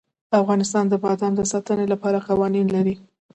افغانستان د بادام د ساتنې لپاره قوانین لري.